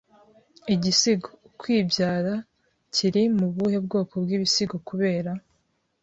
Igisigo “Ukwibyara” kiri mu buhe bwoko w’ibisigo Kubera